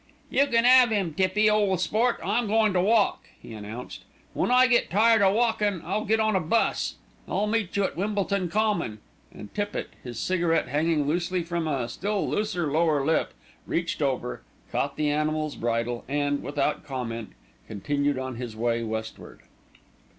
"You can 'ave 'im, Tippy, ole sport, I'm goin' to walk," he announced. "When I get tired o' walking, I'll get on a bus. I'll meet you at Wimbledon Common;" and Tippitt, his cigarette hanging loosely from a still looser lower lip, reached over, caught the animal's bridle and, without comment, continued on his way westward.